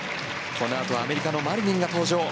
このあとはアメリカのマリニンが登場。